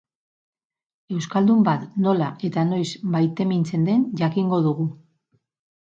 Euskaldun bat nola eta noiz maitemintzen den jakingo dugu.